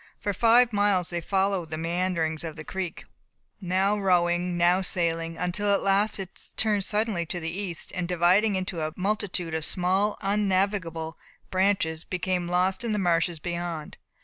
For five miles they followed the meanderings of the creek, now rowing, now sailing, until at last it turned suddenly to the east, and dividing into a multitude of small innavigable branches became lost in the marshes beyond.